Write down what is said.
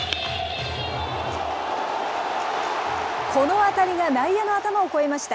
この当たりが内野の頭を越えました。